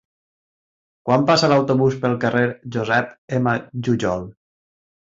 Quan passa l'autobús pel carrer Josep M. Jujol?